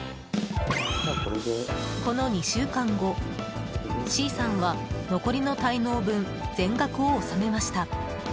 この２週間後、Ｃさんは残りの滞納分全額を納めました。